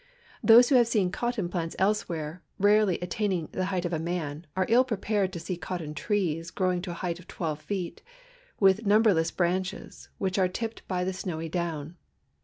Those who have seen cotton plants elsewhere, rarely attaining the height of a man, are ill prepared to see cotton trees growing to the height of 12 feet, with numberless branches, which are tipped by the snowy down.